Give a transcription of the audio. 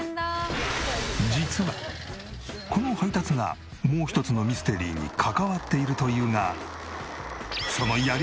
実はこの配達がもう一つのミステリーに関わっているというがその。